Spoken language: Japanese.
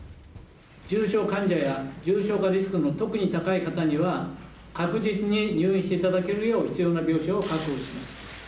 重症患者や重症化リスクの特に高い方には、確実に入院していただけるよう、必要な病床を確保します。